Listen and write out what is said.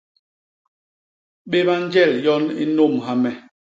Béba njel yon i nnômha me.